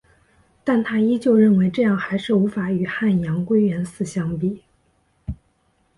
但她依旧认为这样还是无法与汉阳归元寺相比。